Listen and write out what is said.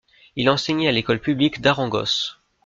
Il enseignait à l'école publique d'Arengosse.